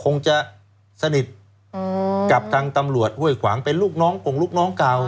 คงจะสนิทกับทางตำรวจห้วยขวางเป็นลูกน้องกงลูกน้องเก่า